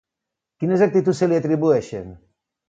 Quines actituds se li atribueixen?